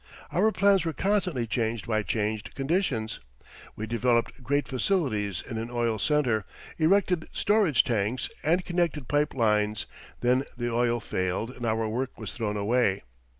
Our plans were constantly changed by changed conditions. We developed great facilities in an oil centre, erected storage tanks, and connected pipe lines; then the oil failed and our work was thrown away.